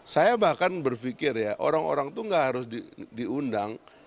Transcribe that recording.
saya bahkan berpikir ya orang orang itu nggak harus diundang